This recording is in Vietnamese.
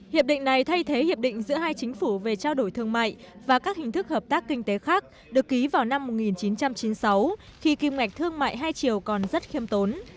hiệp định này thay thế hiệp định giữa hai chính phủ về trao đổi thương mại và các hình thức hợp tác kinh tế khác được ký vào năm một nghìn chín trăm chín mươi sáu khi kim ngạch thương mại hai triệu còn rất khiêm tốn